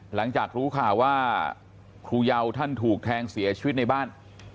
หลังจากรู้ข่าวว่าครูเยาท่านถูกแทงเสียชีวิตในบ้าน